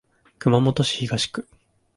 熊本市東区